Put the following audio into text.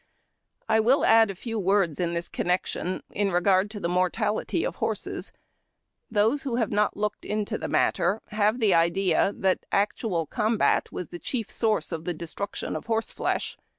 I will add a few words in this connection in regard to the mortality of horses. Those who have not looked into the matter have the idea that actual combat was the chief source of the destruction of horseflesh.